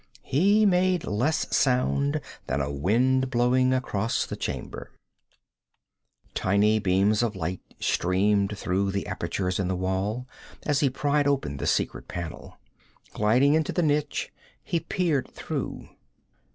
He made less sound than a wind blowing across the chamber. Tiny beams of light streamed through the apertures in the wall, as he pried open the secret panel. Gliding into the niche, he peered through.